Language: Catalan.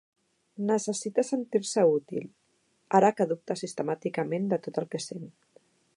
Necessita sentir-se útil, ara que dubta sistemàticament de tot el que sent.